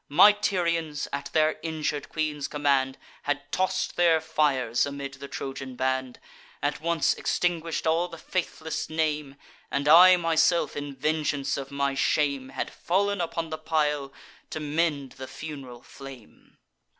My Tyrians, at their injur'd queen's command, Had toss'd their fires amid the Trojan band; At once extinguish'd all the faithless name; And I myself, in vengeance of my shame, Had fall'n upon the pile, to mend the fun'ral flame.